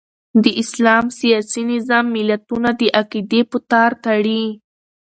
د اسلام سیاسي نظام ملتونه د عقیدې په تار تړي.